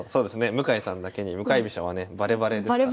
向井さんだけに向かい飛車はねバレバレですから。